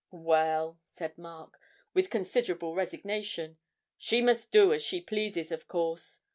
'Well,' said Mark, with considerable resignation, 'she must do as she pleases, of course.